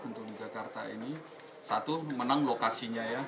untuk di jakarta ini satu menang lokasinya ya